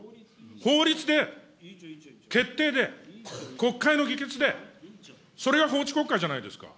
法律で、決定で、国会の議決で、それが法治国家じゃないですか。